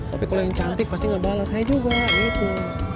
tapi kalau yang cantik pasti ngebalas saya juga gitu